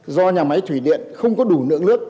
do nhà máy thủy điện không có đủ lượng nước